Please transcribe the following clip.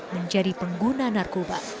menjadi pengguna narkoba